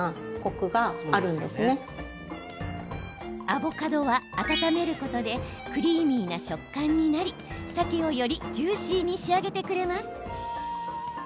アボカドは温めることでクリーミーな食感になりさけをよりジューシーに仕上げてくれます。